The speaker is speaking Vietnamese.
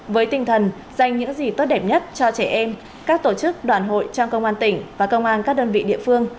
với tinh thần dành những gì tốt đẹp nhất cho trẻ em các tổ chức đoàn hội trong công an tỉnh và công an các đơn vị địa phương